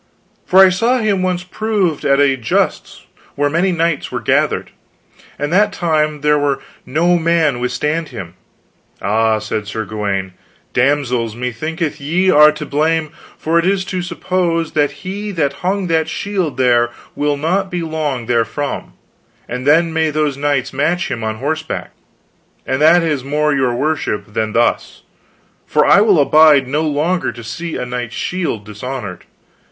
" for I saw him once proved at a justs where many knights were gathered, and that time there might no man withstand him. Ah, said Sir Gawaine, damsels, methinketh ye are to blame, for it is to suppose he that hung that shield there will not be long therefrom, and then may those knights match him on horseback, and that is more your worship than thus; for I will abide no longer to see a knight's shield dishonored.